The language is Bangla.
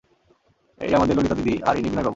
এই আমাদের ললিতাদিদি, আর ইনি বিনয়বাবু।